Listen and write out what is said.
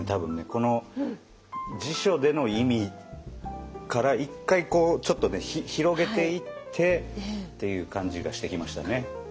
この辞書での意味から一回ちょっと広げていってっていう感じがしてきましたね。